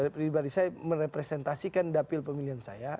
pribadi saya merepresentasikan dapil pemilihan saya